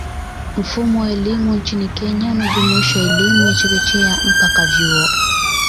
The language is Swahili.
Mfumo wa elimu nchini Kenya unajumuisha elimu ya chekechea mpaka vyuo